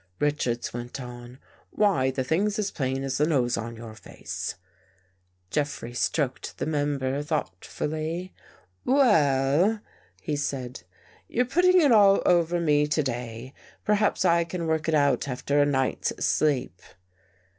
Richards went on. " Why, the thing's as plain as the nose on your face." Jeffrey stroked that member thoughtfully. 96 AN EVEN BREAK " Well," he said, " you're putting it all over me to day. Perhaps I can work it out after a night's sleep."